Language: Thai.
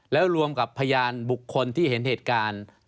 แล้วรวมกับพยานบุคคลที่เห็นเหตุการณ์